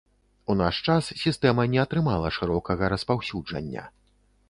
У наш час сістэма не атрымала шырокага распаўсюджання.